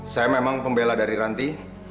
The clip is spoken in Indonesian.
saya memang pembela dari ranti